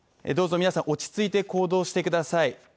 皆さん落ち着いて行動してください